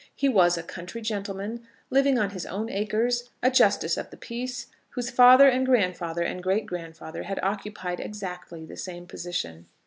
He was a country gentleman, living on his own acres, a justice of the peace, whose father and grandfather and great grandfather had occupied exactly the same position.